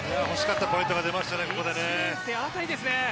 欲しかったポイントが出ましたね。